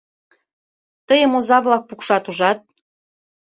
Тыйым оза-влак пукшат, ужат?